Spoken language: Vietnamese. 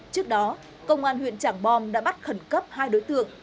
trước đó công an huyện trạng bò đã bắt khẩn cấp hai đối tượng